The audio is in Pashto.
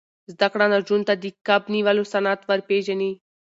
زده کړه نجونو ته د کب نیولو صنعت ور پېژني.